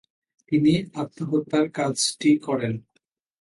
তিনি আত্মহত্যার কাজটি করেন।